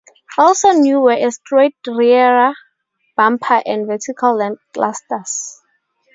Also new were a straight rear bumper and vertical lamp clusters.